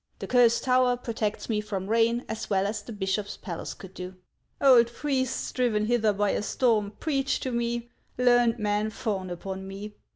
The Cursed Tower protects me from rain as well as the bishop's palace could do. Old priests, driven hither by a storm, preach to me ; learned men fawn upon me.